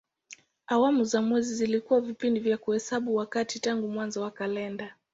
Awamu za mwezi zilikuwa vipindi vya kuhesabu wakati tangu mwanzo wa kalenda.